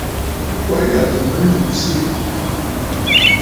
Wâ à yə̀tə̂ mə ŋgɨʼɨ siʼi.